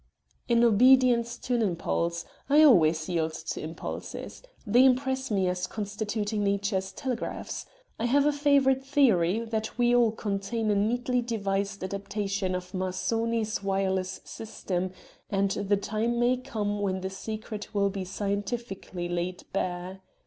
"In obedience to an impulse. I always yield to impulses. They impress me as constituting Nature's telegraphs. I have a favourite theory that we all contain a neatly devised adaptation of Marconi's wireless system, and the time may come when the secret will be scientifically laid bare.